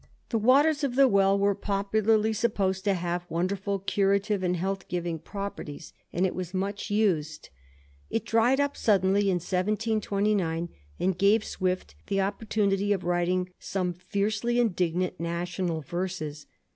The waters of the well were popularly supposed to have wonderful curative and health giving properties, and it was much used. It dried up suddenly in 1729, and gave Swift the opportunity of writing some fiercely indignant national verses.